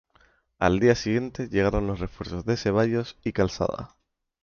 Al día siguiente llegaron los refuerzos de Ceballos y Calzada.